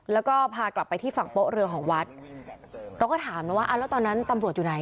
แล้วก็พากลับไปที่ฝั่งโป๊ะเรือของวัดเราก็ถามนะว่าอ่าแล้วตอนนั้นตำรวจอยู่ไหน